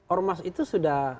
ormas itu sudah